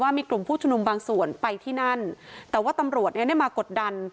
มีกลุ่มผู้ชุมนุมบางส่วนไปที่นั่นแต่ว่าตำรวจเนี้ยได้มากดดัน